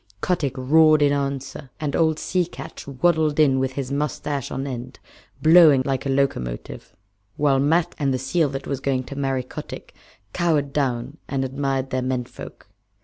Kotick roared in answer, and old Sea Catch waddled in with his mustache on end, blowing like a locomotive, while Matkah and the seal that was going to marry Kotick cowered down and admired their men folk.